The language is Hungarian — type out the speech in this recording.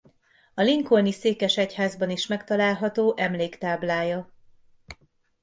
A lincolni székesegyházban is megtalálható emléktáblája.